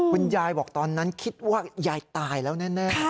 คุณยายบอกตอนนั้นคิดว่ายายตายแล้วแน่